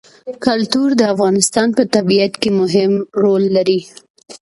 کلتور د افغانستان په طبیعت کې مهم رول لري.